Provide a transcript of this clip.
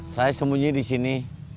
saya sembunyi di sini